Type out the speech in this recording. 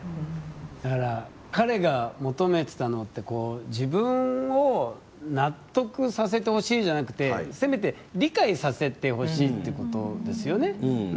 だから、彼が求めてたのって自分を納得させてほしいじゃなくてせめて理解させてほしいということですよね。